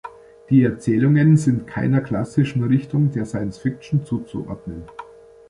Die Erzählungen sind keiner klassischen Richtung der Science-Fiction zuzuordnen.